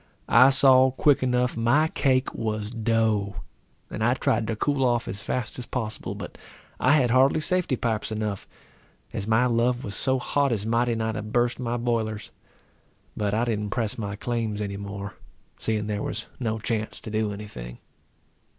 I saw quick enough my cake was dough, and I tried to cool off as fast as possible; but I had hardly safety pipes enough, as my love was so hot as mighty nigh to burst my boilers. But I didn't press my claims any more, seeing there was no chance to do any thing.